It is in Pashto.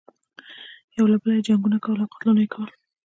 یو له بله یې جنګونه کول او قتلونه یې کول.